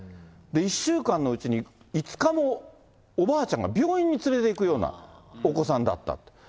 １週間のうちに、５日もおばあちゃんが病院に連れていくようなお子さんだった。